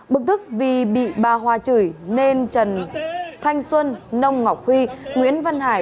bức thức vì bị ba hoa chửi nên trần thanh xuân nông ngọc huy nguyễn văn hải